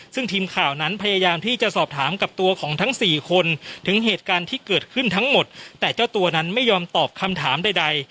ซึ่งทีมข่าวนั้นพยายามที่จะสอบถามกับตัวของทั้งสี่คนถึงเหตุการณ์ที่เกิดขึ้นทั้งหมดแต่เจ้าตัวนั้นไม่ยอมตอบคำถามใด